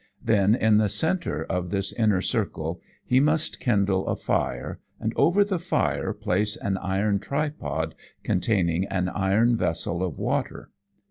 Then, in the centre of this inner circle he must kindle a fire, and over the fire place an iron tripod containing an iron vessel of water.